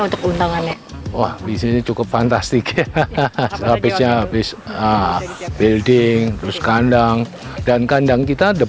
untuk untangannya wah bisnis cukup fantastik hahaha habisnya habis building terus kandang